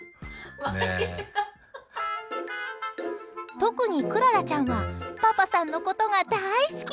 特にクララちゃんはパパさんのことが大好き。